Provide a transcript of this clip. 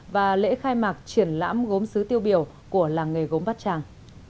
và lễ khai mạc triển lãm gốm xứ tiêu biểu của làng nghề gốm bát tràng